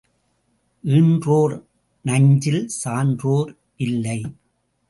ஈன்றோர் நஞ்சில் சான்றோர் இல்லை.